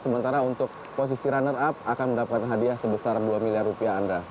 sementara untuk posisi runner up akan mendapatkan hadiah sebesar dua miliar rupiah andra